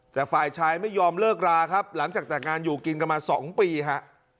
แต่ฝ่ายชายไม่ยอมเลิกราครับหลังจากแต่งงานอยู่กินกันมา๒ปีฮะ